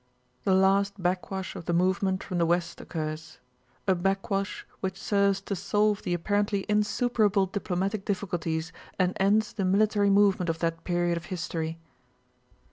The last backwash of the movement from the west occurs: a backwash which serves to solve the apparently insuperable diplomatic difficulties and ends the military movement of that period of history.